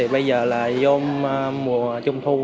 bây giờ là vô mùa trung thu